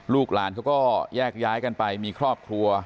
ลูกหลานเขาก็แยกย้ายกันไปมีครอบครัว